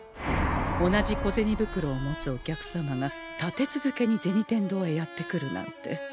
同じ小銭袋を持つお客様が立て続けに銭天堂へやって来るなんて